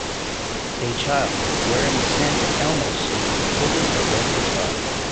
A child wearing a santa elmo suit holding a red guitar.